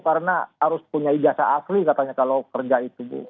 karena harus punya ijazah asli katanya kalau kerja itu bu